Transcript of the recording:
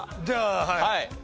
じゃあはい。